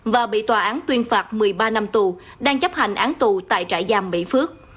và bị tòa án tuyên phạt một mươi ba năm tù đang chấp hành án tù tại trại giam mỹ phước